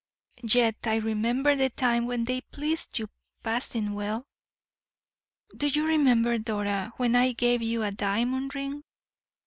"Yet I remember the time when they pleased you passing well. Do you remember, Dora, when I gave you a diamond ring?